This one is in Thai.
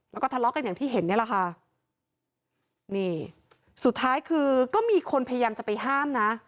แล้วก็ทะเลาะกันอย่างที่เห็นเนี่ยแหละค่ะนี่สุดท้ายคือก็มีคนพยายามจะไปห้ามนะ